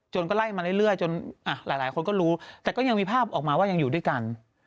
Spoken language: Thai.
ก็ไล่มาเรื่อยจนหลายคนก็รู้แต่ก็ยังมีภาพออกมาว่ายังอยู่ด้วยกัน